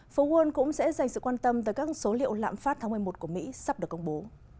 phố world cũng sẽ dành sự quan tâm tới các số liệu lạm phát tháng một mươi một của mỹ sắp được công bố